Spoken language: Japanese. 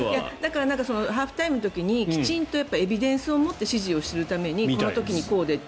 ハーフタイムの時にきちんとエビデンスを持って指示をするためにこの時にこうでって。